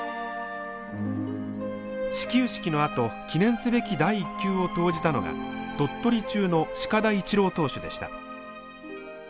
始球式のあと記念すべき第１球を投じたのが鳥取中の鹿田一郎投手でした。